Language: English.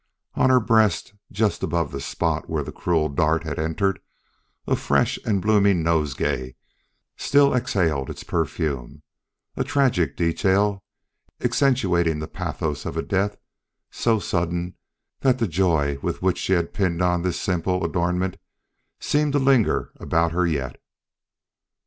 On her breast just above the spot where the cruel dart had entered, a fresh and blooming nosegay still exhaled its perfume a tragic detail accentuating the pathos of a death so sudden that the joy with which she had pinned on this simple adornment seemed to linger about her yet.